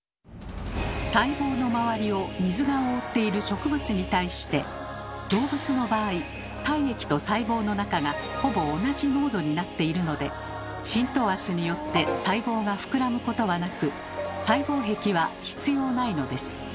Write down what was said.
細胞の周りを水が覆っている植物に対して動物の場合体液と細胞の中がほぼ同じ濃度になっているので浸透圧によって細胞が膨らむことはなく細胞壁は必要ないのです。